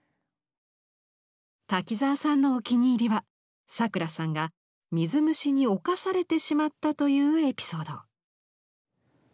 滝沢さんのお気に入りはさくらさんが水虫におかされてしまったというエピソード。